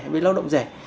về lao động rẻ